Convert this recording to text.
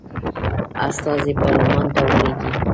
استازي پارلمان ته ولیږي.